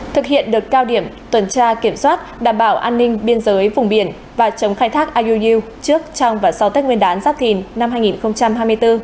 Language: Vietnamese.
thực hiện được cao điểm tuần tra kiểm soát đảm bảo an ninh biên giới vùng biển và chống khai thác iuu trước trong và sau tết nguyên đán giáp thìn năm hai nghìn hai mươi bốn